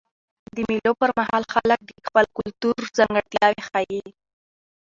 د مېلو پر مهال خلک د خپل کلتور ځانګړتیاوي ښیي.